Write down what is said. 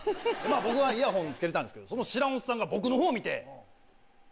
僕はイヤホン着けてたんすけどその知らんおっさんが僕のほう見て。